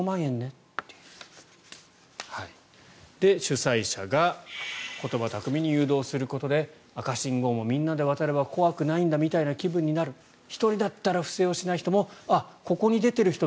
それで主催者が言葉巧みに誘導することで赤信号もみんなで渡れば怖くないんだみたいな気分になる１人だったら不正をしない人もここに出ている人